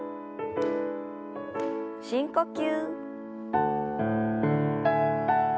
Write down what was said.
深呼吸。